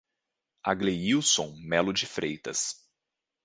Agleilson Melo de Freitas